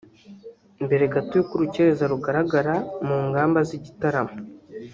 Mbere gato y’uko Urukerereza rugaragara mu ngamba z’igitaramo